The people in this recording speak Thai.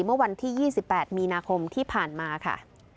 เมื่อวันที่๒๘มีนาคมที่ผ่านมาค่ะ